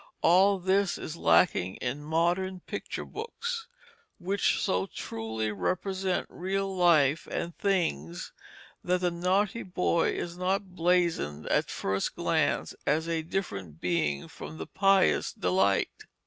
All this is lacking in modern picture books, which so truly represent real life and things that the naughty boy is not blazoned at first glance as a different being from the pious delight.